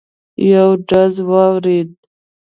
یو ډز واورېد.